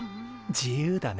自由だね。